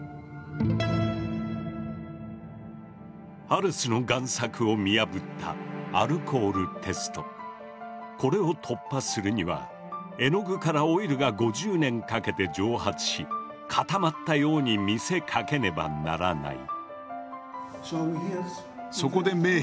ハルスの贋作を見破ったこれを突破するには絵の具からオイルが５０年かけて蒸発し固まったように見せかけねばならない。